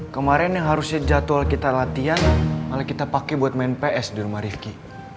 kemarin yang harusnya jadwal kita latihan malah kita pakai buat main ps di rumah rifki